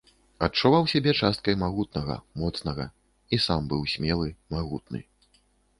Адчуваў сябе часткай магутнага, моцнага і сам быў смелы, магутны.